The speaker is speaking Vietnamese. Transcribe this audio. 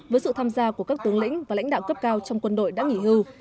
với sự tham gia của các tướng lĩnh và lãnh đạo cấp cao trong quân đội đã nghỉ hưu